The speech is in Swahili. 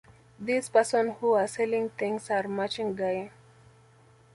This person who are selling things are maching guy